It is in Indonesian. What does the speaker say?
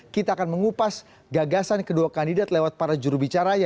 kita akan mengupas gagasan kedua kandidat lewat para jurubicaranya